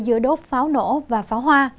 giữa đốt pháo nổ và pháo hoa